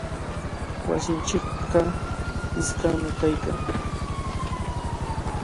Wasinchikqa iskami kaykan.